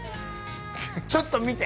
ちょっと見て。